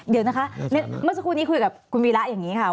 เดี๋ยวนะคะเมื่อสักครู่นี้คุยกับคุณวีระอย่างนี้ค่ะ